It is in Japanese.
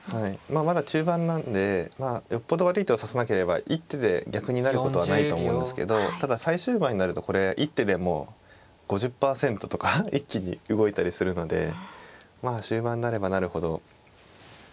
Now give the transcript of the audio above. まあまだ中盤なんでよっぽど悪い手を指さなければ一手で逆になることはないとは思うんですけどただ最終盤になるとこれ一手でもう５０％とか一気に動いたりするのでまあ終盤になればなるほど一手の価値は。